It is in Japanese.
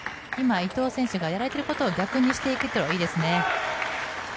伊藤選手がやられていることを逆にしていくっていうのがいいですね。